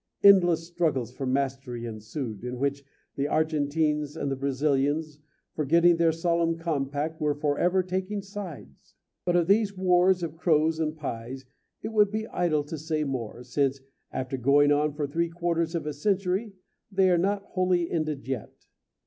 Endless struggles for mastery ensued, in which the Argentines and Brazilians, forgetting their solemn compact, were for ever taking sides. But of these wars of crows and pies it would be idle to say more, since, after going on for three quarters of a century, they are not wholly ended yet.